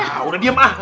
nah udah diem ah